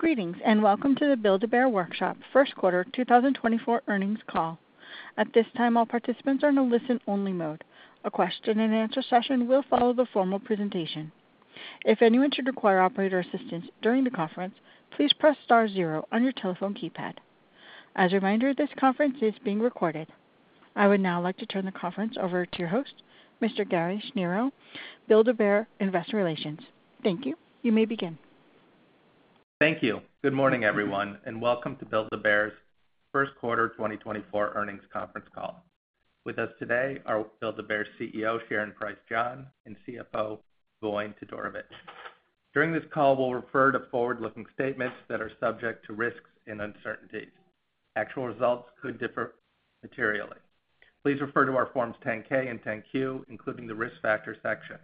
Greetings, and welcome to the Build-A-Bear Workshop first quarter 2024 earnings call. At this time, all participants are in a listen-only mode. A question and answer session will follow the formal presentation. If anyone should require operator assistance during the conference, please press star zero on your telephone keypad. As a reminder, this conference is being recorded. I would now like to turn the conference over to your host, Mr. Gary Schnierow, Build-A-Bear Investor Relations. Thank you. You may begin. Thank you. Good morning, everyone, and welcome to Build-A-Bear's first quarter 2024 earnings conference call. With us today are Build-A-Bear's CEO, Sharon Price John, and CFO, Voin Todorovic. During this call, we'll refer to forward-looking statements that are subject to risks and uncertainties. Actual results could differ materially. Please refer to our Form 10-K and 10-Q, including the Risk Factors section.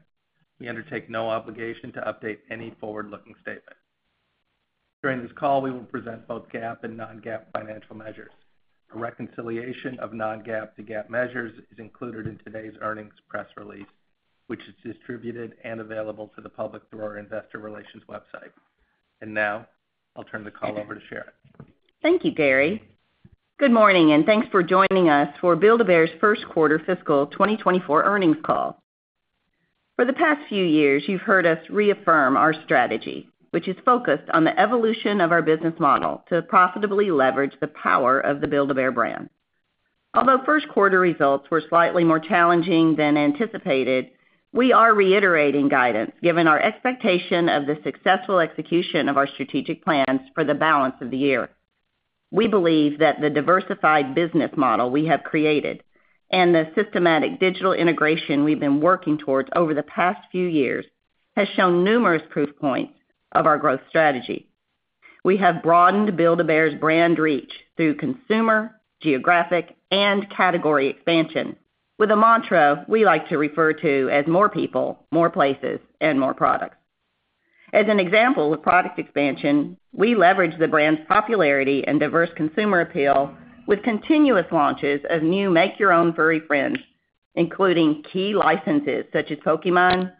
We undertake no obligation to update any forward-looking statement. During this call, we will present both GAAP and non-GAAP financial measures. A reconciliation of non-GAAP to GAAP measures is included in today's earnings press release, which is distributed and available to the public through our investor relations website. Now, I'll turn the call over to Sharon. Thank you, Gary. Good morning, and thanks for joining us for Build-A-Bear's first quarter fiscal 2024 earnings call. For the past few years, you've heard us reaffirm our strategy, which is focused on the evolution of our business model to profitably leverage the power of the Build-A-Bear brand. Although first quarter results were slightly more challenging than anticipated, we are reiterating guidance, given our expectation of the successful execution of our strategic plans for the balance of the year. We believe that the diversified business model we have created and the systematic digital integration we've been working towards over the past few years has shown numerous proof points of our growth strategy. We have broadened Build-A-Bear's brand reach through consumer, geographic, and category expansion, with a mantra we like to refer to as more people, more places, and more products. As an example, with product expansion, we leverage the brand's popularity and diverse consumer appeal with continuous launches of new Make-Your-Own furry friends, including key licenses such as Pokémon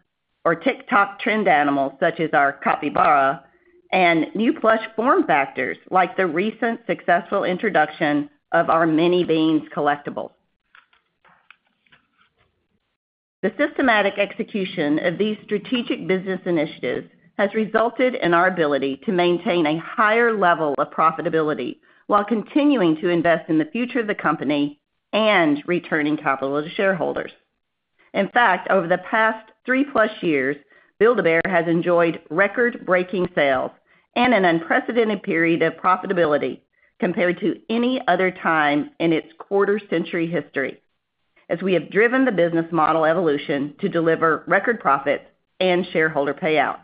or TikTok trend animals, such as our Capybara, and new plush form factors, like the recent successful introduction of our Mini Beans collectibles. The systematic execution of these strategic business initiatives has resulted in our ability to maintain a higher level of profitability while continuing to invest in the future of the company and returning capital to shareholders. In fact, over the past 3+ years, Build-A-Bear has enjoyed record-breaking sales and an unprecedented period of profitability compared to any other time in its quarter-century history, as we have driven the business model evolution to deliver record profits and shareholder payouts.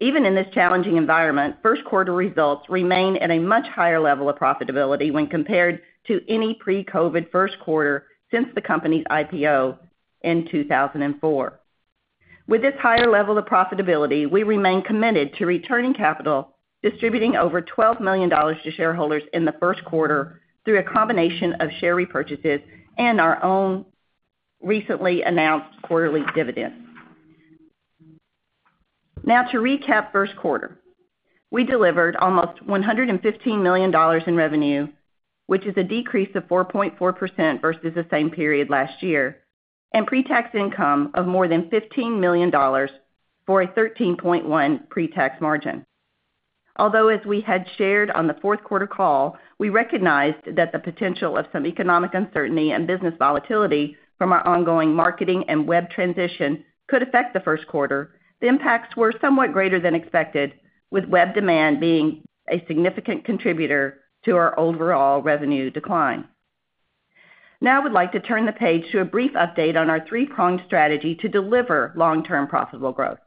Even in this challenging environment, first quarter results remain at a much higher level of profitability when compared to any pre-COVID first quarter since the company's IPO in 2004. With this higher level of profitability, we remain committed to returning capital, distributing over $12 million to shareholders in the first quarter through a combination of share repurchases and our own recently announced quarterly dividend. Now, to recap first quarter. We delivered almost $115 million in revenue, which is a decrease of 4.4% versus the same period last year, and pre-tax income of more than $15 million, for a 13.1% pre-tax margin. Although, as we had shared on the fourth quarter call, we recognized that the potential of some economic uncertainty and business volatility from our ongoing marketing and web transition could affect the first quarter, the impacts were somewhat greater than expected, with web demand being a significant contributor to our overall revenue decline. Now, I would like to turn the page to a brief update on our three-pronged strategy to deliver long-term profitable growth.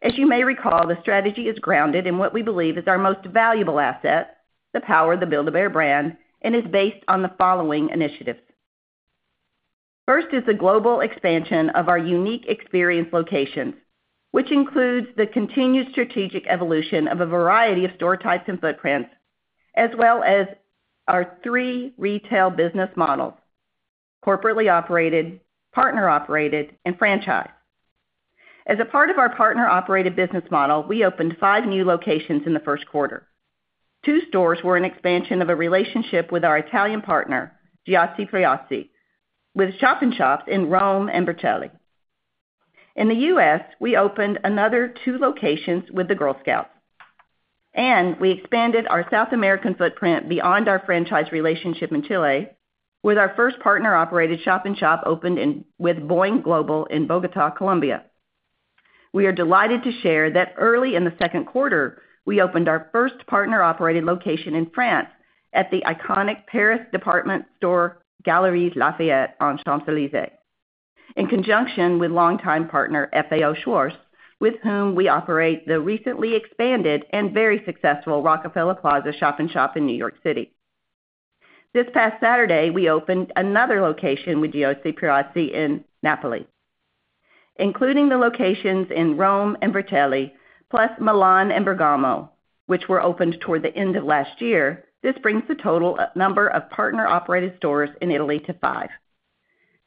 As you may recall, the strategy is grounded in what we believe is our most valuable asset, the power of the Build-A-Bear brand, and is based on the following initiatives. First is the global expansion of our unique experience locations, which includes the continued strategic evolution of a variety of store types and footprints, as well as our three retail business models: corporately operated, partner operated, and franchise. As a part of our partner-operated business model, we opened five new locations in the first quarter. Two stores were an expansion of a relationship with our Italian partner, Giochi Preziosi, with shop-in-shops in Rome and Vercelli. In the U.S., we opened another two locations with the Girl Scouts, and we expanded our South American footprint beyond our franchise relationship in Chile, with our first partner-operated shop-in-shop opened with Boing Global in Bogota, Colombia. We are delighted to share that early in the second quarter, we opened our first partner-operated location in France at the iconic Paris department store, Galeries Lafayette on Champs-Élysées, in conjunction with longtime partner FAO Schwarz, with whom we operate the recently expanded and very successful Rockefeller Plaza shop-in-shop in New York City. This past Saturday, we opened another location with Giochi Preziosi in Napoli. Including the locations in Rome and Vercelli, plus Milan and Bergamo, which were opened toward the end of last year, this brings the total number of partner-operated stores in Italy to five.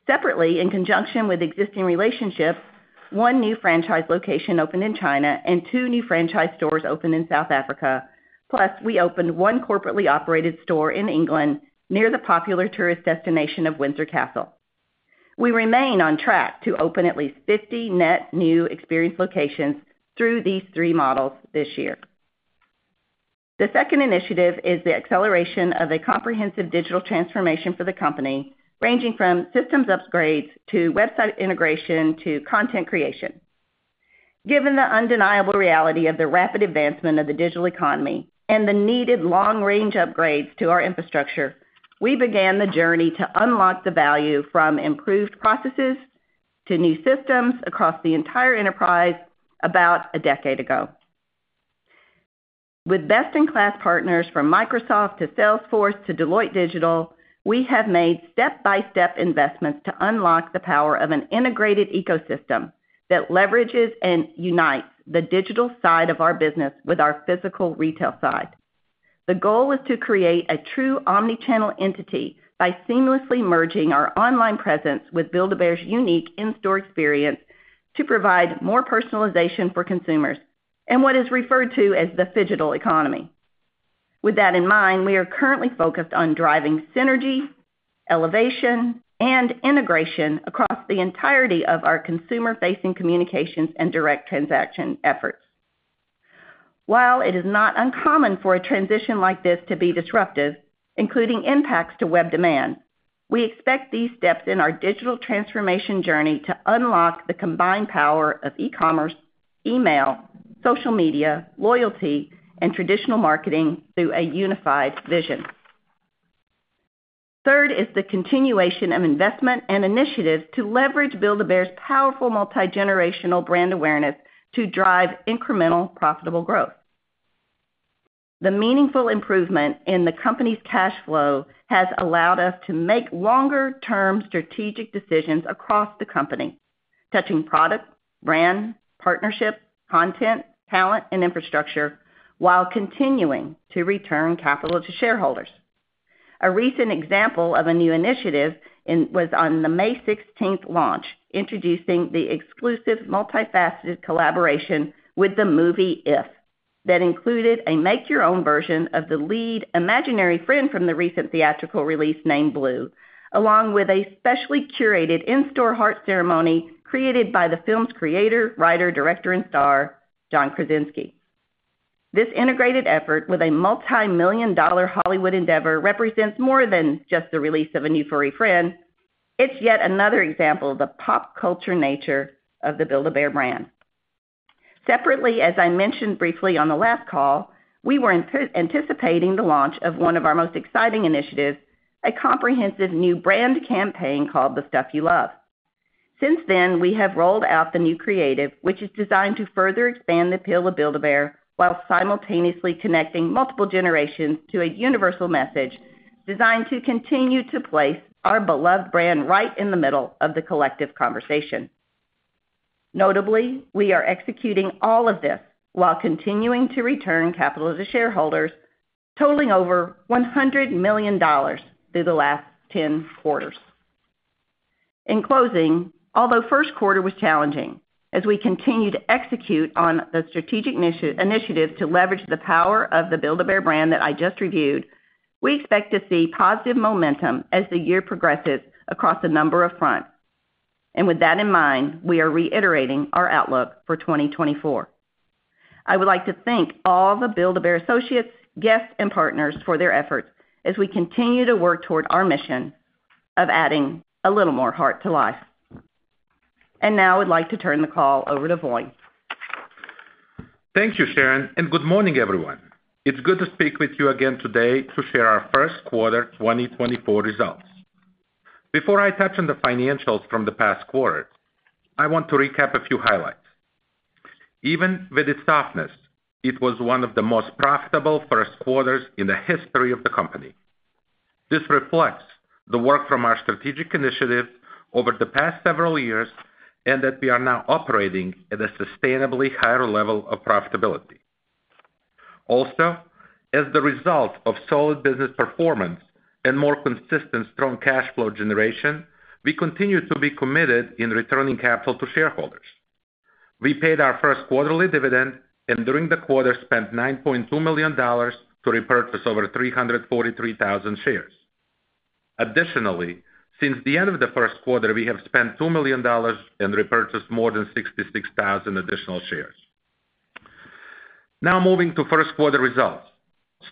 Separately, in conjunction with existing relationships, one new franchise location opened in China and two new franchise stores opened in South Africa, plus we opened one corporately operated store in England, near the popular tourist destination of Windsor Castle. We remain on track to open at least 50 net new experience locations through these three models this year. The second initiative is the acceleration of a comprehensive digital transformation for the company, ranging from systems upgrades to website integration to content creation. Given the undeniable reality of the rapid advancement of the digital economy and the needed long-range upgrades to our infrastructure, we began the journey to unlock the value from improved processes to new systems across the entire enterprise about a decade ago. With best-in-class partners, from Microsoft to Salesforce to Deloitte Digital, we have made step-by-step investments to unlock the power of an integrated ecosystem that leverages and unites the digital side of our business with our physical retail side. The goal is to create a true omni-channel entity by seamlessly merging our online presence with Build-A-Bear's unique in-store experience to provide more personalization for consumers, and what is referred to as the phygital economy. With that in mind, we are currently focused on driving synergy, elevation, and integration across the entirety of our consumer-facing communications and direct transaction efforts. While it is not uncommon for a transition like this to be disruptive, including impacts to web demand, we expect these steps in our digital transformation journey to unlock the combined power of e-commerce, email, social media, loyalty, and traditional marketing through a unified vision. Third is the continuation of investment and initiatives to leverage Build-A-Bear's powerful multigenerational brand awareness to drive incremental profitable growth. The meaningful improvement in the company's cash flow has allowed us to make longer-term strategic decisions across the company, touching product, brand, partnership, content, talent, and infrastructure, while continuing to return capital to shareholders. A recent example of a new initiative was on the May 16 launch, introducing the exclusive, multifaceted collaboration with the movie IF, that included a Make-Your-Own version of the lead imaginary friend from the recent theatrical release named Blue, along with a specially curated in-store Heart Ceremony created by the film's creator, writer, director, and star, John Krasinski. This integrated effort with a multimillion-dollar Hollywood endeavor represents more than just the release of a new furry friend. It's yet another example of the pop culture nature of the Build-A-Bear brand. Separately, as I mentioned briefly on the last call, we were anticipating the launch of one of our most exciting initiatives, a comprehensive new brand campaign called The Stuff You Love. Since then, we have rolled out the new creative, which is designed to further expand the appeal of Build-A-Bear, while simultaneously connecting multiple generations to a universal message designed to continue to place our beloved brand right in the middle of the collective conversation. Notably, we are executing all of this while continuing to return capital to shareholders, totaling over $100 million through the last 10 quarters. In closing, although first quarter was challenging, as we continue to execute on the strategic initiative to leverage the power of the Build-A-Bear brand that I just reviewed, we expect to see positive momentum as the year progresses across a number of fronts. With that in mind, we are reiterating our outlook for 2024. I would like to thank all the Build-A-Bear associates, guests, and partners for their efforts as we continue to work toward our mission of adding a little more heart to life. Now I'd like to turn the call over to Voin. Thank you, Sharon, and good morning, everyone. It's good to speak with you again today to share our first quarter 2024 results. Before I touch on the financials from the past quarter, I want to recap a few highlights. Even with its softness, it was one of the most profitable first quarters in the history of the company. This reflects the work from our strategic initiatives over the past several years, and that we are now operating at a sustainably higher level of profitability. Also, as the result of solid business performance and more consistent, strong cash flow generation, we continue to be committed in returning capital to shareholders. We paid our first quarterly dividend, and during the quarter, spent $9.2 million to repurchase over 343,000 shares. Additionally, since the end of the first quarter, we have spent $2 million and repurchased more than 66,000 additional shares. Now moving to first quarter results,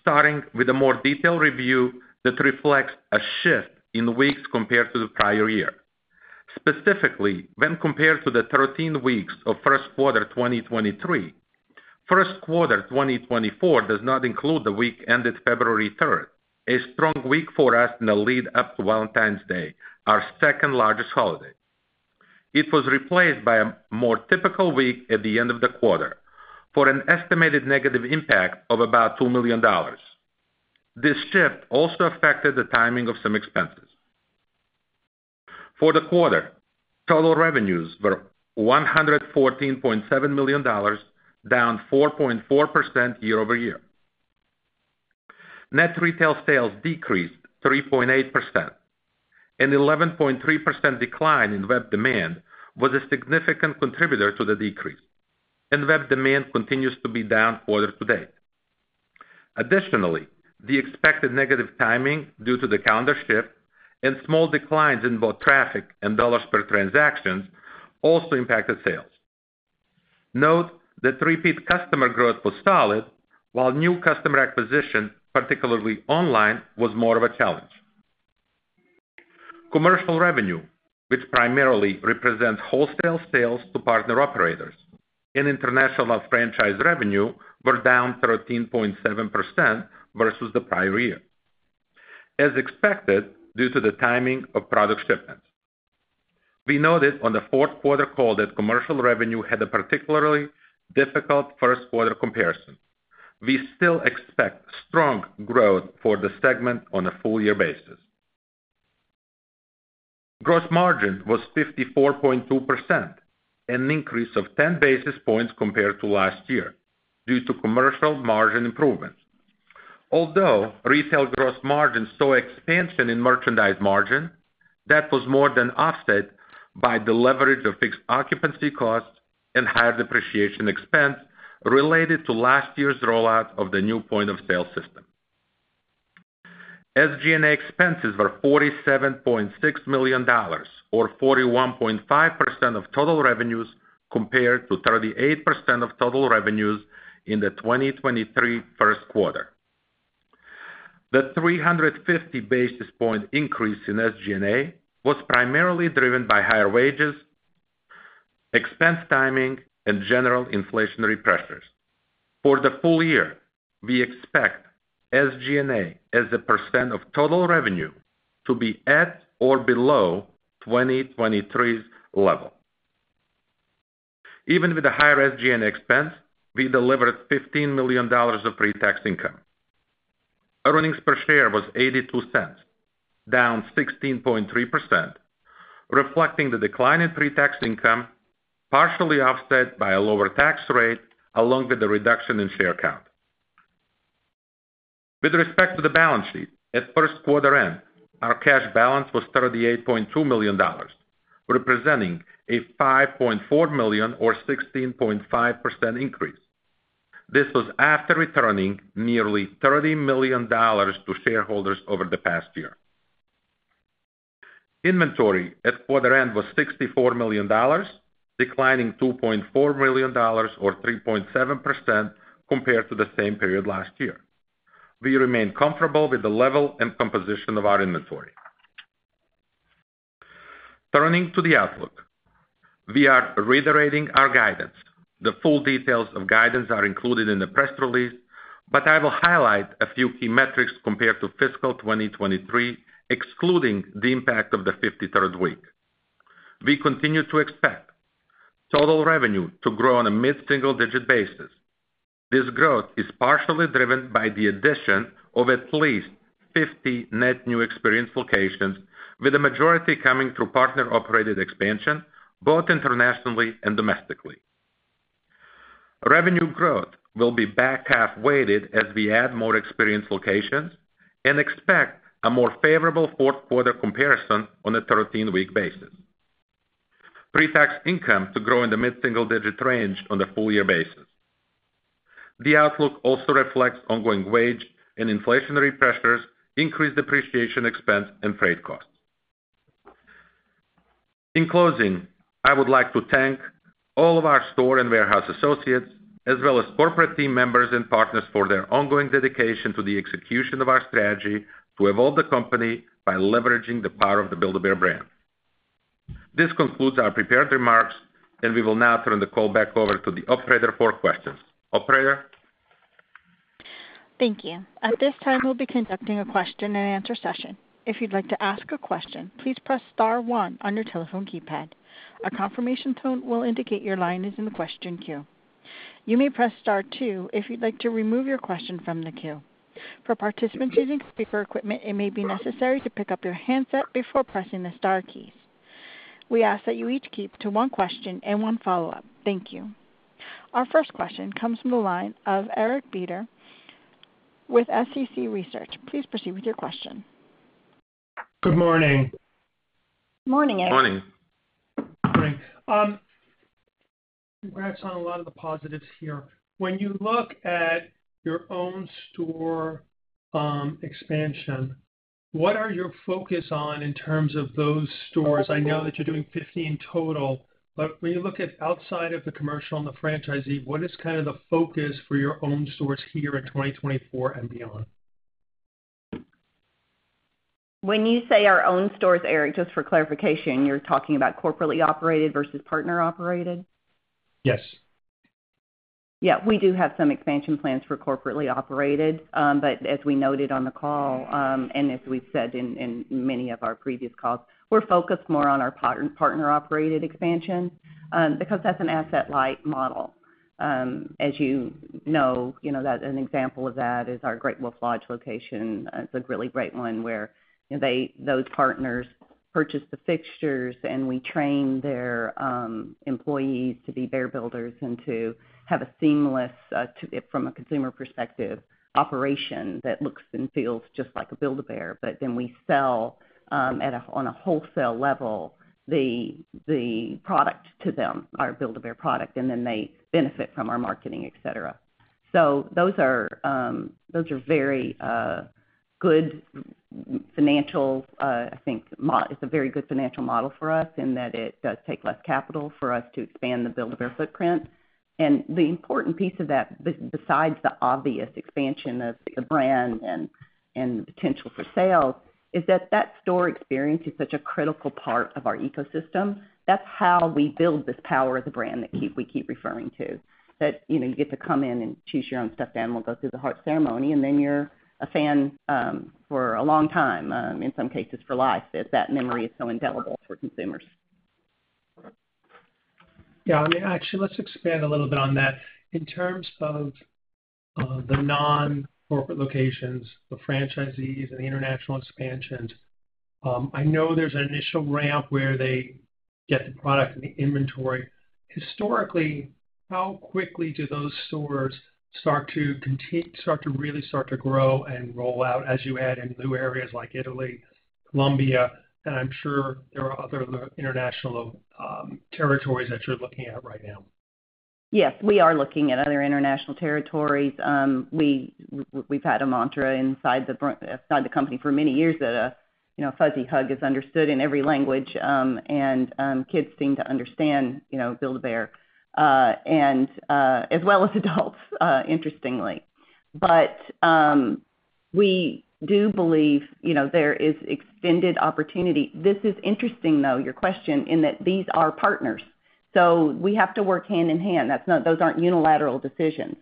starting with a more detailed review that reflects a shift in weeks compared to the prior year. Specifically, when compared to the 13 weeks of first quarter 2023, first quarter 2024 does not include the week ended February third, a strong week for us in the lead-up to Valentine's Day, our second-largest holiday. It was replaced by a more typical week at the end of the quarter, for an estimated negative impact of about $2 million. This shift also affected the timing of some expenses. For the quarter, total revenues were $114.7 million, down 4.4% year-over-year. Net retail sales decreased 3.8%. An 11.3% decline in web demand was a significant contributor to the decrease, and web demand continues to be down quarter to date. Additionally, the expected negative timing due to the calendar shift and small declines in both traffic and dollars per transaction also impacted sales. Note that repeat customer growth was solid, while new customer acquisition, particularly online, was more of a challenge. Commercial revenue, which primarily represents wholesale sales to partner operators and international franchise revenue, were down 13.7% versus the prior year, as expected, due to the timing of product shipments. We noted on the fourth quarter call that commercial revenue had a particularly difficult first quarter comparison. We still expect strong growth for the segment on a full year basis. Gross margin was 54.2%, an increase of 10 basis points compared to last year due to commercial margin improvements. Although retail gross margin saw expansion in merchandise margin, that was more than offset by the leverage of fixed occupancy costs and higher depreciation expense related to last year's rollout of the new point-of-sale system. SG&A expenses were $47.6 million, or 41.5% of total revenues, compared to 38% of total revenues in the 2023 first quarter. The 350 basis point increase in SG&A was primarily driven by higher wages, expense timing, and general inflationary pressures. For the full year, we expect SG&A as a percent of total revenue to be at or below 2023's level. Even with the higher SG&A expense, we delivered $15 million of pre-tax income. Earnings per share was $0.82, down 16.3%, reflecting the decline in pre-tax income, partially offset by a lower tax rate, along with a reduction in share count. With respect to the balance sheet, at first quarter end, our cash balance was $38.2 million, representing a $5.4 million, or 16.5% increase. This was after returning nearly $30 million to shareholders over the past year. Inventory at quarter end was $64 million, declining $2.4 million, or 3.7%, compared to the same period last year. We remain comfortable with the level and composition of our inventory. Turning to the outlook, we are reiterating our guidance. The full details of guidance are included in the press release, but I will highlight a few key metrics compared to fiscal 2023, excluding the impact of the 53rd week. We continue to expect total revenue to grow on a mid-single-digit basis. This growth is partially driven by the addition of at least 50 net new experienced locations, with the majority coming through partner-operated expansion, both internationally and domestically. Revenue growth will be back-half weighted as we add more experienced locations and expect a more favorable fourth quarter comparison on a 13-week basis. Pre-tax income to grow in the mid-single-digit range on a full year basis. The outlook also reflects ongoing wage and inflationary pressures, increased depreciation expense, and freight costs. In closing, I would like to thank all of our store and warehouse associates, as well as corporate team members and partners, for their ongoing dedication to the execution of our strategy to evolve the company by leveraging the power of the Build-A-Bear brand. This concludes our prepared remarks, and we will now turn the call back over to the operator for questions. Operator? Thank you. At this time, we'll be conducting a question-and-answer session. If you'd like to ask a question, please press star one on your telephone keypad. A confirmation tone will indicate your line is in the question queue. You may press star two if you'd like to remove your question from the queue. For participants using speaker equipment, it may be necessary to pick up your handset before pressing the star keys. We ask that you each keep to one question and one follow-up. Thank you. Our first question comes from the line of Eric Beder with Small Cap Consumer Research. Please proceed with your question. Good morning. Morning, Eric. Morning. Morning. Congrats on a lot of the positives here. When you look at your own store expansion, what are your focus on in terms of those stores? I know that you're doing 15 total, but when you look at outside of the commercial and the franchisee, what is kind of the focus for your own stores here in 2024 and beyond? When you say our own stores, Eric, just for clarification, you're talking about corporately operated versus partner operated? Yes. Yeah, we do have some expansion plans for corporately operated. But as we noted on the call, and as we've said in many of our previous calls, we're focused more on our partner-operated expansion, because that's an asset-light model. As you know, you know, that an example of that is our Great Wolf Lodge location. It's a really great one where, you know, those partners purchase the fixtures, and we train their employees to be Build-A-Bear builders and to have a seamless from a consumer perspective, operation that looks and feels just like a Build-A-Bear. But then we sell, on a wholesale level, the product to them, our Build-A-Bear product, and then they benefit from our marketing, et cetera. So those are those are very good financial I think it's a very good financial model for us in that it does take less capital for us to expand the Build-A-Bear footprint. And the important piece of that besides the obvious expansion of the brand and and the potential for sales is that that store experience is such a critical part of our ecosystem. That's how we build this power of the brand that keep we keep referring to. That you know you get to come in and choose your own stuffed animal go through the Heart Ceremony and then you're a fan for a long time in some cases for life as that memory is so indelible for consumers. Yeah, I mean, actually, let's expand a little bit on that. In terms of the non-corporate locations, the franchisees and the international expansions, I know there's an initial ramp where they get the product and the inventory. Historically, how quickly do those stores start to really grow and roll out as you add in new areas like Italy, Colombia, and I'm sure there are other international territories that you're looking at right now? Yes, we are looking at other international territories. We've had a mantra inside the company for many years that, you know, fuzzy hug is understood in every language, and kids seem to understand, you know, Build-A-Bear, and as well as adults, interestingly. But, we do believe, you know, there is extended opportunity. This is interesting, though, your question, in that these are partners, so we have to work hand in hand. Those aren't unilateral decisions.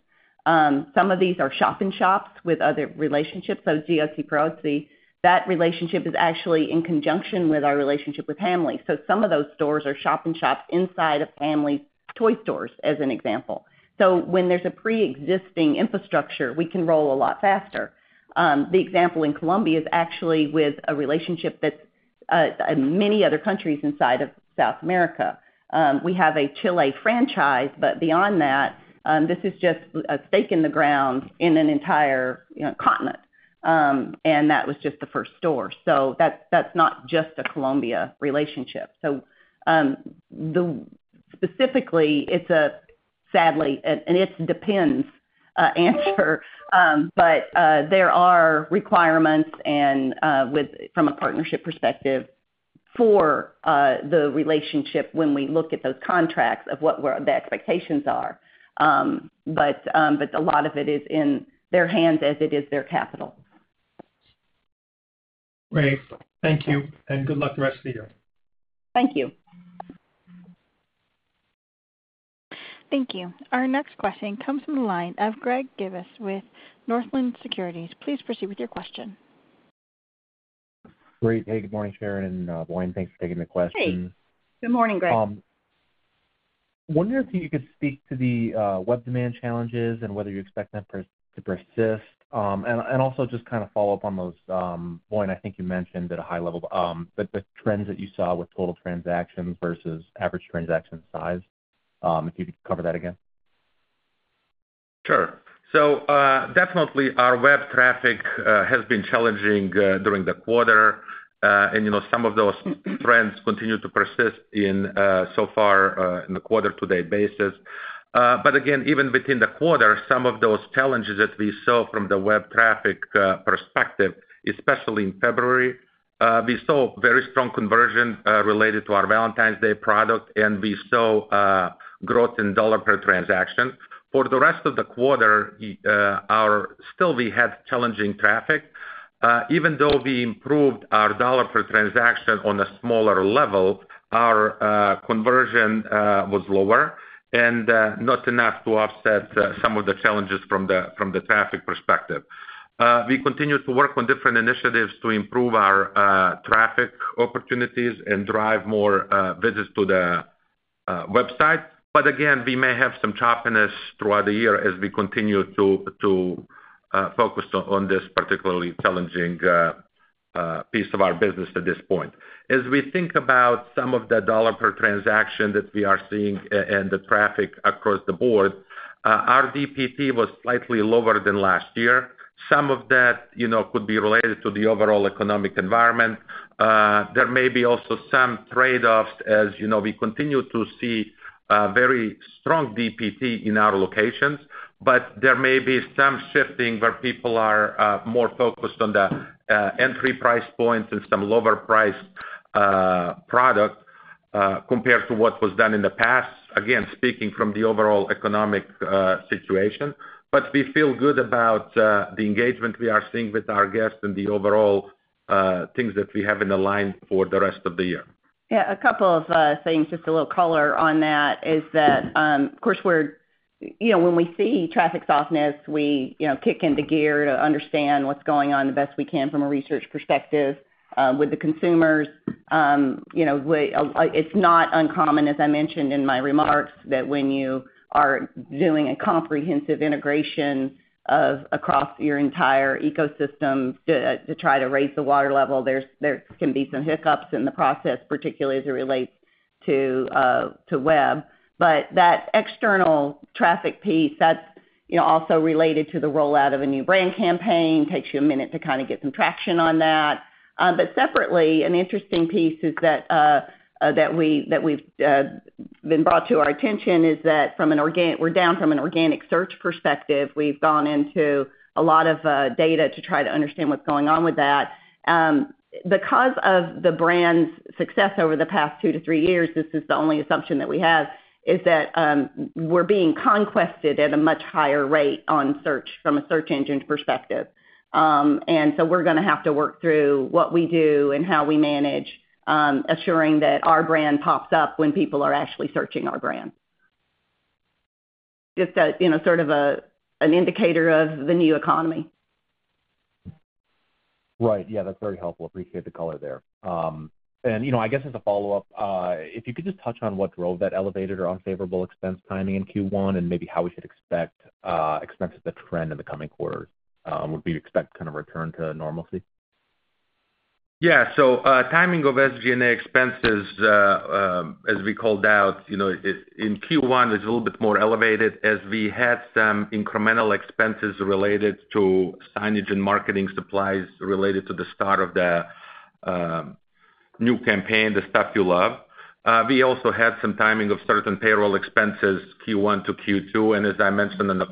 Some of these are shop-in-shops with other relationships. So Giochi Preziosi, that relationship is actually in conjunction with our relationship with Hamleys. So some of those stores are shop-in-shops inside of Hamleys' toy stores, as an example. So when there's a preexisting infrastructure, we can roll a lot faster. The example in Colombia is actually with a relationship that's, you know, in many other countries inside of South America. We have a Chile franchise, but beyond that, this is just a stake in the ground in an entire, you know, continent. That was just the first store. That's not just a Colombia relationship. Specifically, it's a... sadly, and it depends, answer, but there are requirements and, with, from a partnership perspective, for the relationship when we look at those contracts of what we're- the expectations are. But a lot of it is in their hands as it is their capital. Great. Thank you, and good luck the rest of the year. Thank you. Thank you. Our next question comes from the line of Greg Gibas with Northland Securities. Please proceed with your question. Great. Hey, good morning, Sharon and, Voin. Thanks for taking the question. Hey, good morning, Greg. Wondering if you could speak to the web demand challenges and whether you expect them to persist. And also just kind of follow up on those, Voin, I think you mentioned at a high level, but the trends that you saw with total transactions versus average transaction size, if you could cover that again. Sure. So, definitely our web traffic has been challenging during the quarter. And you know, some of those trends continue to persist in so far in the quarter-to-date basis. But again, even within the quarter, some of those challenges that we saw from the web traffic perspective, especially in February, we saw very strong conversion related to our Valentine's Day product, and we saw growth in dollar per transaction. For the rest of the quarter, still, we had challenging traffic. Even though we improved our dollar per transaction on a smaller level, our conversion was lower and not enough to offset some of the challenges from the traffic perspective. We continue to work on different initiatives to improve our traffic opportunities and drive more visits to the website. But again, we may have some choppiness throughout the year as we continue to focus on this particularly challenging piece of our business at this point. As we think about some of the dollar per transaction that we are seeing and the traffic across the board, our DPT was slightly lower than last year. Some of that, you know, could be related to the overall economic environment. There may be also some trade-offs as, you know, we continue to see very strong DPT in our locations, but there may be some shifting where people are more focused on the entry price points and some lower-priced product compared to what was done in the past, again, speaking from the overall economic situation. But we feel good about the engagement we are seeing with our guests and the overall things that we have in the line for the rest of the year. Yeah, a couple of things, just a little color on that is that, of course, we're, you know, when we see traffic softness, we, you know, kick into gear to understand what's going on the best we can from a research perspective, with the consumers. You know, we, like, it's not uncommon, as I mentioned in my remarks, that when you are doing a comprehensive integration of across your entire ecosystem to try to raise the water level, there can be some hiccups in the process, particularly as it relates to web. But that external traffic piece, that's, you know, also related to the rollout of a new brand campaign, takes you a minute to kind of get some traction on that. But separately, an interesting piece is that that we've been brought to our attention is that from an organic search perspective, we're down from an organic search perspective. We've gone into a lot of data to try to understand what's going on with that. Because of the brand's success over the past 2-3 years, this is the only assumption that we have is that we're being conquested at a much higher rate on search from a search engine perspective. And so we're gonna have to work through what we do and how we manage assuring that our brand pops up when people are actually searching our brand. Just a, you know, sort of a, an indicator of the new economy. Right. Yeah, that's very helpful. Appreciate the color there. You know, I guess as a follow-up, if you could just touch on what drove that elevated or unfavorable expense timing in Q1, and maybe how we should expect expenses to trend in the coming quarters. Would we expect kind of return to normalcy? Yeah. So, timing of SG&A expenses, as we called out, you know, it, in Q1, is a little bit more elevated, as we had some incremental expenses related to signage and marketing supplies related to the start of the, new campaign, The Stuff You Love. We also had some timing of certain payroll expenses, Q1 to Q2, and as I mentioned in the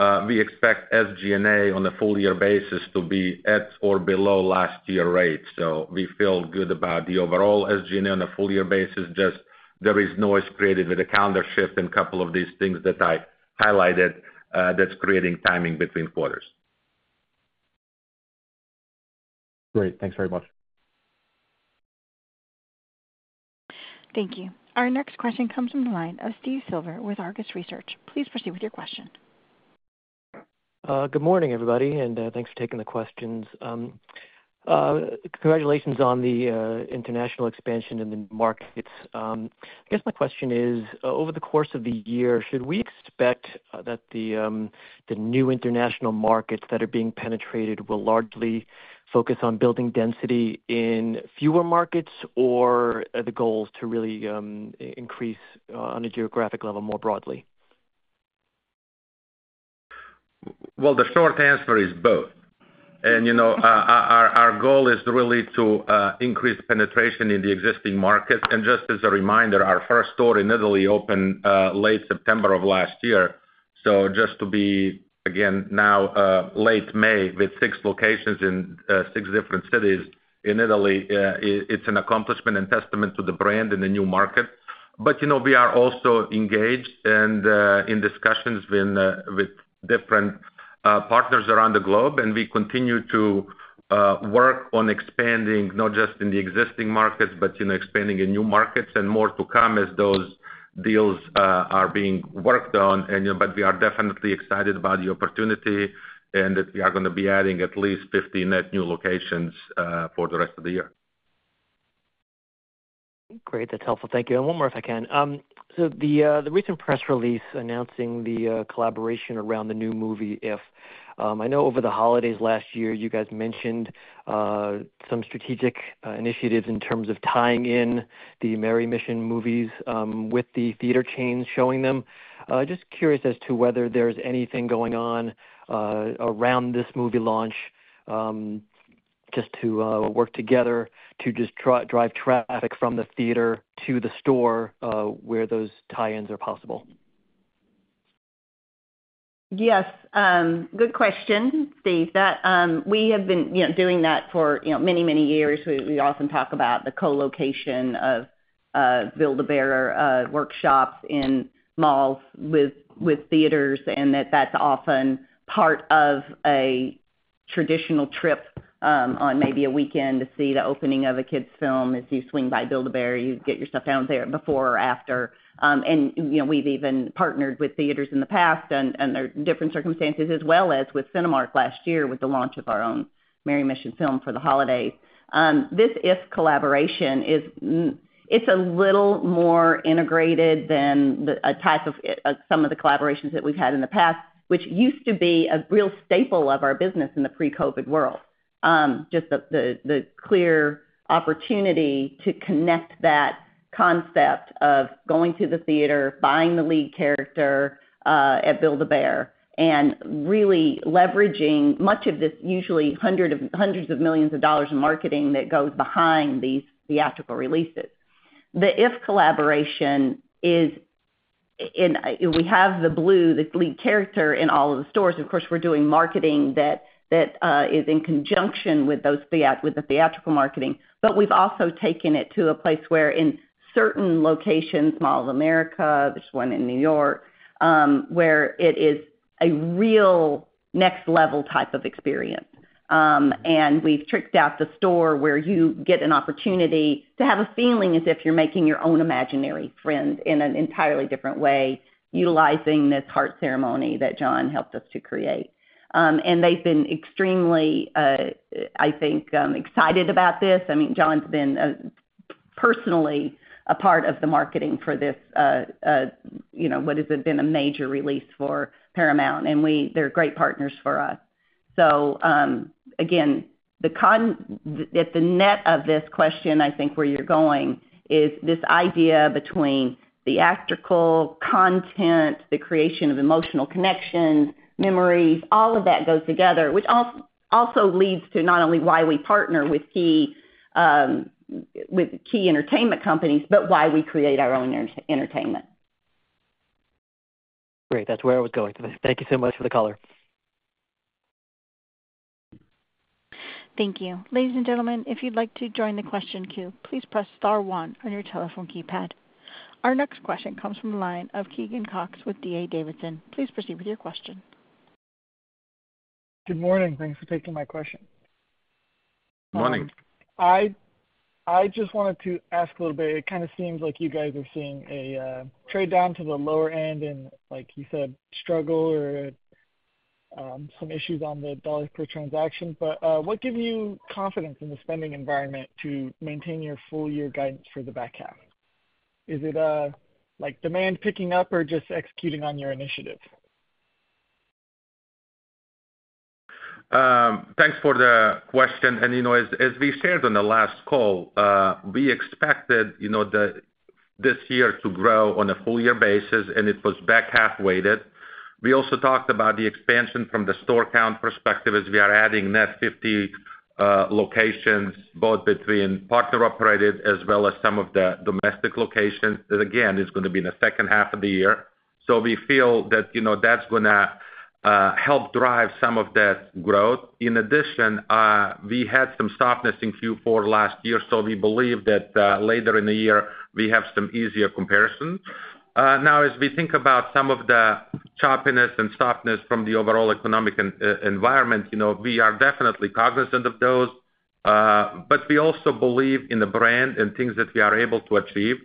call, we expect SG&A on a full year basis to be at or below last year rates. So we feel good about the overall SG&A on a full year basis, just there is noise created with the calendar shift and a couple of these things that I highlighted, that's creating timing between quarters. Great. Thanks very much. Thank you. Our next question comes from the line of Steve Silver with Argus Research. Please proceed with your question. Good morning, everybody, and thanks for taking the questions. Congratulations on the international expansion in the markets. I guess my question is, over the course of the year, should we expect that the new international markets that are being penetrated will largely focus on building density in fewer markets, or are the goals to really increase on a geographic level more broadly? Well, the short answer is both. And, you know, our goal is really to increase penetration in the existing market. And just as a reminder, our first store in Italy opened late September of last year. So just to be, again, now, late May, with six locations in six different cities in Italy, it's an accomplishment and testament to the brand in the new market. But, you know, we are also engaged and in discussions with different partners around the globe, and we continue to work on expanding, not just in the existing markets, but, you know, expanding in new markets and more to come as those deals are being worked on. We are definitely excited about the opportunity and that we are gonna be adding at least 50 net new locations for the rest of the year. Great. That's helpful. Thank you. And one more, if I can. So the recent press release announcing the collaboration around the new movie, IF. I know over the holidays last year, you guys mentioned some strategic initiatives in terms of tying in the Merry Mission movies with the theater chains showing them. Just curious as to whether there's anything going on around this movie launch, just to work together to just drive traffic from the theater to the store, where those tie-ins are possible? Yes. Good question, Steve. That we have been, you know, doing that for, you know, many, many years. We often talk about the co-location of Build-A-Bear workshops in malls with theaters, and that that's often part of a traditional trip on maybe a weekend to see the opening of a kids film. As you swing by Build-A-Bear, you get your stuff down there before or after. And, you know, we've even partnered with theaters in the past under different circumstances, as well as with Cinemark last year, with the launch of our own Merry Mission film for the holidays. This IF collaboration is, it's a little more integrated than a type of some of the collaborations that we've had in the past, which used to be a real staple of our business in the pre-COVID world. Just the clear opportunity to connect that concept of going to the theater, buying the lead character at Build-A-Bear, and really leveraging much of this, usually hundreds of millions of dollars in marketing that goes behind these theatrical releases. The IF collaboration is in. We have the Blue, this lead character, in all of the stores. Of course, we're doing marketing that is in conjunction with those theatrical marketing. But we've also taken it to a place where in certain locations, Mall of America, there's one in New York, where it is a real next level type of experience. and we've tricked out the store where you get an opportunity to have a feeling as if you're making your own imaginary friend in an entirely different way, utilizing this Heart Ceremony that John helped us to create. and they've been extremely, I think, excited about this. I mean, John's been personally a part of the marketing for this, you know, what has been a major release for Paramount, and they're great partners for us. So, again, the content, the, at the end of this question, I think where you're going, is this idea between theatrical content, the creation of emotional connection, memories, all of that goes together, which also leads to not only why we partner with key entertainment companies, but why we create our own entertainment. Great, that's where I was going. Thank you so much for the color. Thank you. Ladies and gentlemen, if you'd like to join the question queue, please press star one on your telephone keypad. Our next question comes from the line of Keegan Cox with D.A. Davidson. Please proceed with your question. Good morning. Thanks for taking my question. Good morning. I just wanted to ask a little bit. It kinda seems like you guys are seeing a trade down to the lower end and, like you said, struggle or some issues on the dollars per transaction. But what gives you confidence in the spending environment to maintain your full year guidance for the back half? Is it like demand picking up or just executing on your initiative? Thanks for the question. And, you know, as, as we shared on the last call, we expected, you know, the, this year to grow on a full year basis, and it was back half-weighted. We also talked about the expansion from the store count perspective, as we are adding net 50, locations, both between partner-operated as well as some of the domestic locations. That, again, is gonna be in the second half of the year. So we feel that, you know, that's gonna, help drive some of that growth. In addition, we had some softness in Q4 last year, so we believe that, later in the year, we have some easier comparisons. Now, as we think about some of the choppiness and softness from the overall economic environment, you know, we are definitely cognizant of those, but we also believe in the brand and things that we are able to achieve.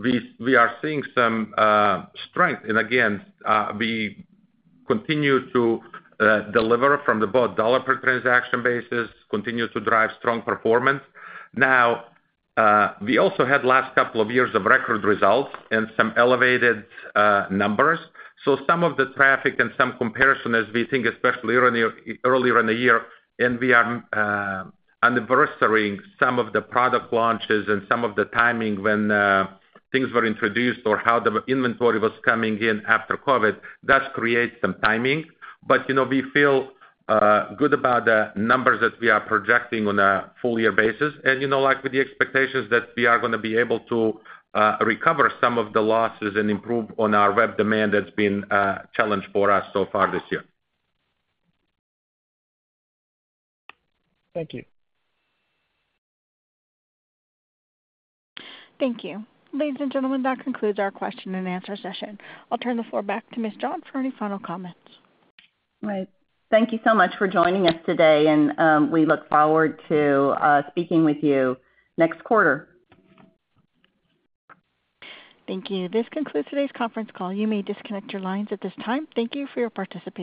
We are seeing some strength, and again, we continue to deliver from the both dollar per transaction basis, continue to drive strong performance. Now, we also had last couple of years of record results and some elevated numbers. So some of the traffic and some comparison as we think, especially earlier in the year, and we are anniversarying some of the product launches and some of the timing when things were introduced or how the inventory was coming in after COVID, that creates some timing. You know, we feel good about the numbers that we are projecting on a full year basis, and you know, like with the expectations that we are gonna be able to recover some of the losses and improve on our web demand, that's been a challenge for us so far this year. Thank you. Thank you. Ladies and gentlemen, that concludes our question-and-answer session. I'll turn the floor back to Ms. John for any final comments. Right. Thank you so much for joining us today, and we look forward to speaking with you next quarter. Thank you. This concludes today's conference call. You may disconnect your lines at this time. Thank you for your participation.